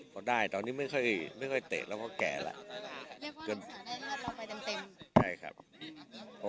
ก็ได้ตอนนี้ไม่ค่อยไม่ค่อยเตะแล้วก็แก่ล่ะเพราะว่าขาไม่ค่อยดี